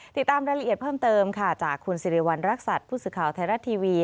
ติดตามรายละเอียดเพิ่มเติมค่ะจากคุณสิริวัณรักษัตริย์ผู้สื่อข่าวไทยรัฐทีวี